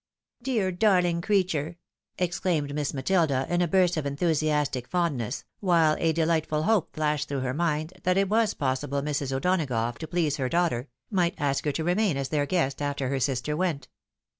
" Dear, darling creature !" exclaimed Miss Matilda, in a burst of enthusiastic fondness, while a delightful hope flashed through her mind that it was possible Mrs. O'Donagough, to please her daughter, might ask her to remain as their guest after her sister went.